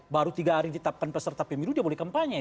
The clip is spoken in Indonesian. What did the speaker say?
baru tiga hari ditetapkan peserta pemilu dia boleh kampanye